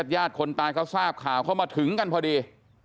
ญาติคนตายเขาทราบข่าวเข้ามาถึงกันพอดี